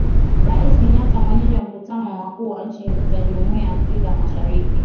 Raisi Kenyatta mwenyeji wa mkutano wa wakuu wa nchi za jumuia ya Afrika ya Mashariki